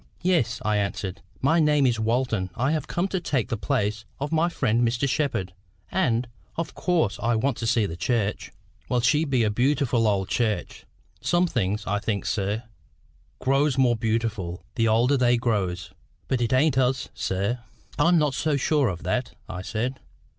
"Yes," I answered. "My name is Walton I have come to take the place of my friend Mr. Shepherd; and, of course, I want to see the church." "Well, she be a bee utiful old church. Some things, I think, sir, grows more beautiful the older they grows. But it ain't us, sir." "I'm not so sure of that," I said.